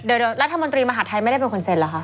เดี๋ยวรัฐมนตรีมหาดไทยไม่ได้เป็นคนเซ็นเหรอคะ